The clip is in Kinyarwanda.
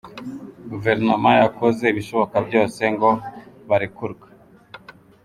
Guverinoma yakoze ibishoboka byose ngo barekurwe”.